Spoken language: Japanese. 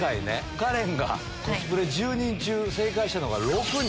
カレンがコスプレ１０人中正解したのが６人。